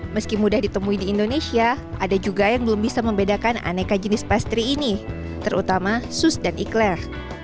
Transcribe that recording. meski mudah ditemui di indonesia ada juga yang belum bisa membedakan aneka jenis pastry ini terutama sus dan ikhlaq